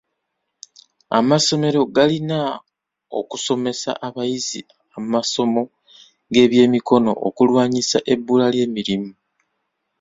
Amasomero galina okusomesa abayizi amasomo g'ebyemikono okulwanyisa ebbula ly'emirimu.